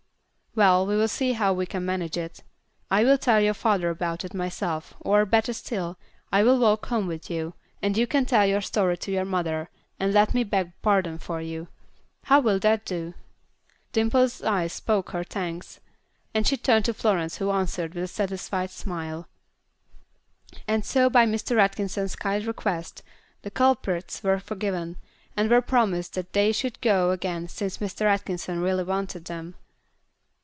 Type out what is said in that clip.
"Well, we'll see how we can manage it. I will tell your father about it, myself, or, better still, I will walk home with you, and you can tell your story to your mother, and let me beg pardon for you. How will that do?" Dimple's eyes spoke her thanks, and she turned to Florence who answered with a satisfied smile. And so by Mr. Atkinson's kind request the culprits were forgiven, and were promised that they should go again since Mr. Atkinson really wanted them.